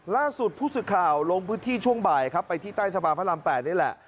ล่าสุดผู้สื่อข่าวลงพื้นที่ช่วงบ่ายครับไปที่ใต้สะพานพระราม๘นี่แหละ